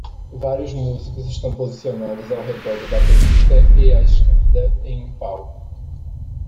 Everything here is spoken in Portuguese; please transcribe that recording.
Vários músicos estão posicionados ao redor do baterista e a escada em um palco